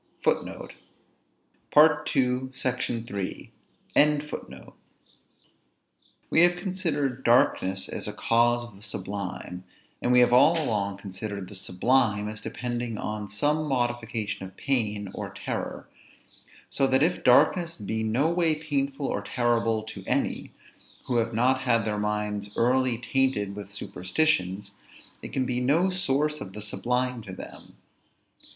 We have considered darkness as a cause of the sublime; and we have all along considered the sublime as depending on some modification of pain or terror: so that if darkness be no way painful or terrible to any, who have not had their minds early tainted with superstitions, it can be no source of the sublime to them.